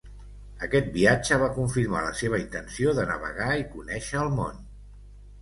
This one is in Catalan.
Aquest viatge va confirmar la seva intenció de navegar i conèixer el món.